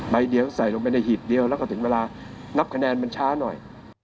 ใบเดียวใส่ลงไปในหีบเดียวแล้วก็ถึงเวลานับคะแนนมันช้าหน่อย